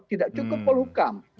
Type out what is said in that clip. tidak cukup pol hukum